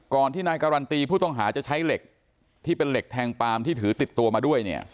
ที่นายการันตีผู้ต้องหาจะใช้เหล็กที่เป็นเหล็กแทงปามที่ถือติดตัวมาด้วยเนี่ย